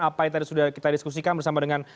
apa yang tadi sudah kita diskusikan bersama dengan